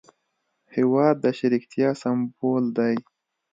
هېواد د شریکتیا سمبول دی.